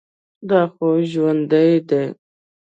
دا خو ژوندى دى.